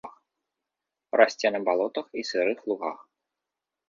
Расце на балотах і сырых лугах.